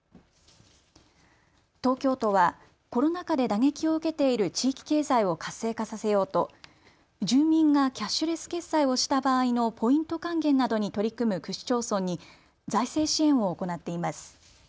東京都はコロナ禍で打撃を受けている地域経済を活性化させようと住民がキャッシュレス決済をした場合のポイント還元などに取り組む区市町村に財政支援を行っています。